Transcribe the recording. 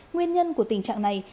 nguyên nhân của tình trạng này